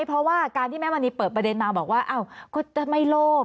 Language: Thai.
เพราะว่าการที่แม่มณีเปิดประเด็นมาบอกว่าอ้าวก็จะไม่โลภ